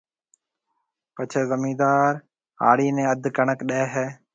پڇيَ زميندار هاڙِي نَي اڌ ڪڻڪ ڏيَ هيَ۔